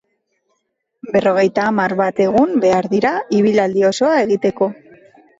Berrogeita hamar bat egun behar dira ibilaldi osoa egiteko.